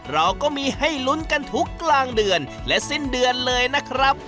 เราก็มีให้ลุ้นกันทุกกลางเดือนและสิ้นเดือนเลยนะครับ